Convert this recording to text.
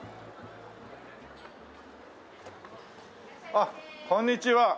あっこんにちは。